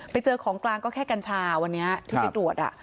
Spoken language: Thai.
ไปเจอของกลางก็แค่กัญชาวันนี้ที่ไปตรวจ